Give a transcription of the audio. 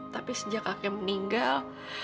tapi sejak kakek meninggal